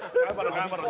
頑張ろう